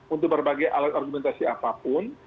untuk berbagai argumentasi apapun